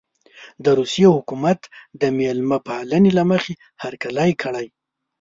د روسیې حکومت د مېلمه پالنې له مخې هرکلی کړی.